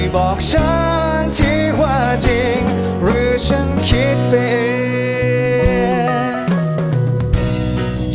บอกฉันสิว่าจริงหรือฉันคิดไปเอง